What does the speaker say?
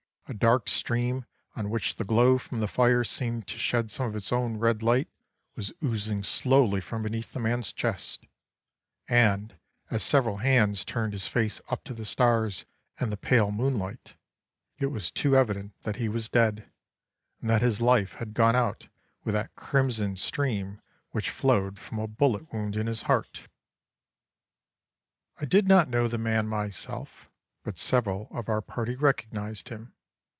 A dark stream, on which the glow from the fire seemed to shed some of its own red light, was oozing slowly from beneath the man's chest; and, as several hands turned his face up to the stars and the pale moonlight, it was too evident that he was dead, and that his life had gone out with that crimson stream which flowed from a bullet wound in his heart. "I did not know the man myself, but several of our party recognised him.